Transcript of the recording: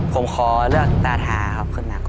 ผมขอเลือกตาทาครับคุณมากครับ